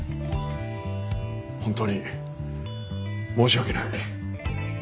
本当に申し訳ない！